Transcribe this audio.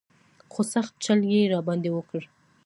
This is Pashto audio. خو سخت چل یې را باندې وکړ.